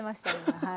はい。